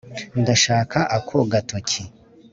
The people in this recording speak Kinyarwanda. ndashaka ako gatoki